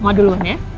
mama duluan ya